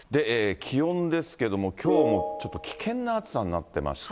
気温ですけども、きょうもちょっと危険な暑さになってまして。